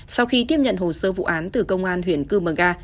sau khi tiếp nhận hồ sơ vụ án từ công an huyện cư mờ ga